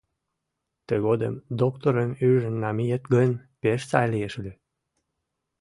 Тыгодым докторым ӱжын намиет гын, пеш сай лиеш ыле.